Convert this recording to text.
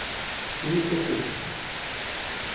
Init-asent.